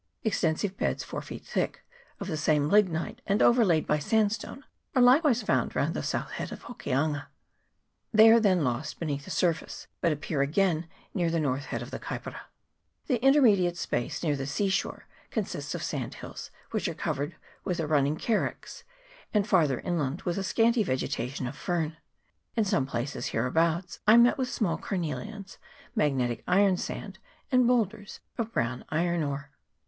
Extensive beds, four feet thick, of the same lignite, and overlaid by sandstone, are likewise found round the south head of Hokianga ; they are then lost beneath the surface, but appear again near the north head of the Kaipara. The intermediate space, near the sea shore, consists of sand hills, which are covered with a running carex, and farther inland with a scanty vegetation of fern. In some places hereabouts I met with small carnelians, magnetic ironsand, and boulders of brown iron ore.